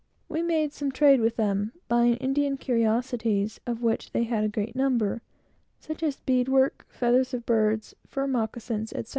We made some trade with them, buying Indian curiosities, of which they had a great number; such as bead work, feathers of birds, fur moccasins, etc.